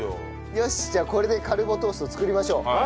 よしじゃあこれでカルボトーストを作りましょう。